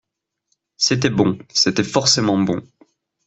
C’était bon. C’était forcément bon.